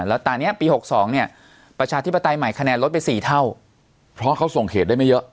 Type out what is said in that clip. แล้วตอนนี้ปี๖๒เนี่ยประชาธิปไตยใหม่คะแนนลดไป๔เท่าเพราะเขาส่งเขตได้ไม่เยอะ